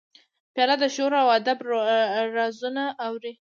پیاله د شعرو او ادب رازونه اوري.